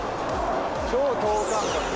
超等間隔。